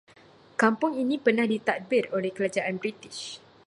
Kampung ini pernah ditadbir oleh kerajaan british